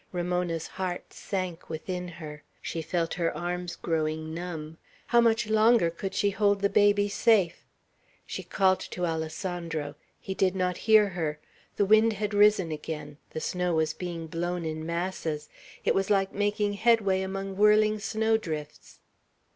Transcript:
Ramona's heart sank within her. She felt her arms growing numb; how much longer could she hold the baby safe? She called to Alessandro. He did not hear her; the wind had risen again; the snow was being blown in masses; it was like making headway among whirling snow drifts.